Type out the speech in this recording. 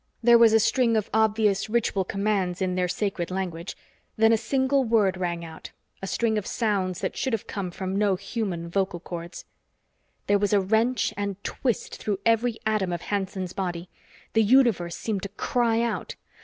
There was a string of obvious ritual commands in their sacred language. Then a single word rang out, a string of sounds that should have come from no human vocal chords. There was a wrench and twist through every atom of Hanson's body. The universe seemed to cry out.